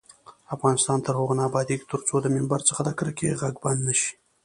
افغانستان تر هغو نه ابادیږي، ترڅو د ممبر څخه د کرکې غږ بند نشي.